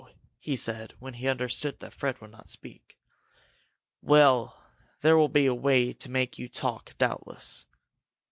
he said, when he understood that Fred would not speak. "Well, there will be a way to make you talk, doubtless.